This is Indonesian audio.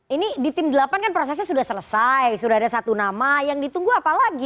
ini di tim delapan kan prosesnya sudah selesai sudah ada satu nama yang ditunggu apa lagi